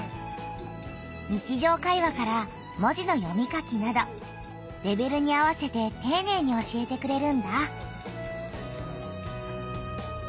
日じょう会話から文字の読み書きなどレベルに合わせてていねいに教えてくれるんだ。